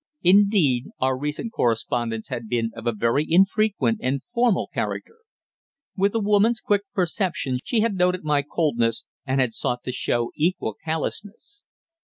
Indeed, our recent correspondence had been of a very infrequent and formal character. With a woman's quick perception she had noted my coldness and had sought to show equal callousness.